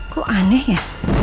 kok aneh ya